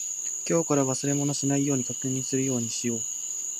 今日から忘れ物をしないように確認するようにしよう。